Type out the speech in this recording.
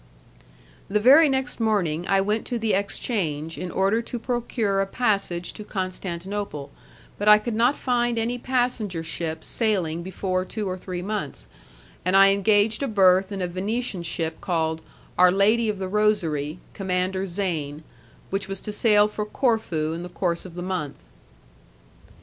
The very next morning I went to the exchange in order to procure a passage to Constantinople, but I could not find any passenger ship sailing before two or three months, and I engaged a berth in a Venetian ship called Our Lady of the Rosary, Commander Zane, which was to sail for Corfu in the course of the month.